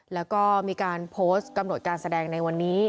แล้วก็มีการโพสต์กำหนดการแสดงในวันนี้